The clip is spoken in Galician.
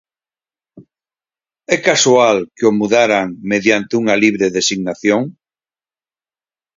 ¿É casual que o mudaran mediante unha libre designación?